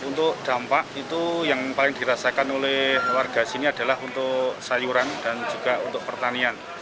untuk dampak itu yang paling dirasakan oleh warga sini adalah untuk sayuran dan juga untuk pertanian